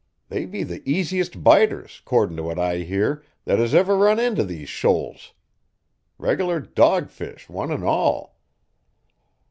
They be the easiest biters, 'cordin' t' what I hear, that has ever run in t' these shoals. Reg'lar dogfish one an' all."